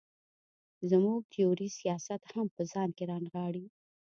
زموږ تیوري سیاست هم په ځان کې را نغاړي.